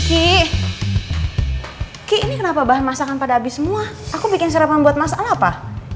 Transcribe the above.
kiki ini kenapa bahan masakan pada habis semua aku bikin serempan buat masalah pa